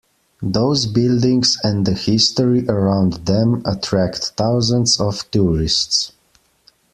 Those buildings and the history around them attract thousands of tourists.